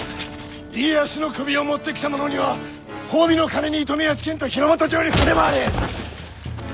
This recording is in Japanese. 家康の首を持ってきた者には褒美の金に糸目はつけんと日ノ本中に触れ回れ！